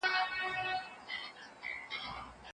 زموږ ټولنه د متنوع فرهنګونو په شاوخوا کې پرمخ ځي.